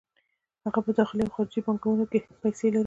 هغه په داخلي او خارجي بانکونو کې پیسې لري